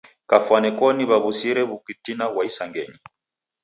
Kafwani koni w'aw'usire w'ukitina ghwa isangenyi.